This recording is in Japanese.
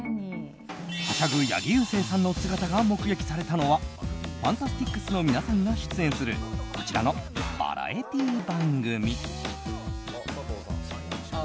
はしゃぐ八木勇征さんの姿が目撃されたのはＦＡＮＴＡＳＴＩＣＳの皆さんが出演するこちらのバラエティー番組。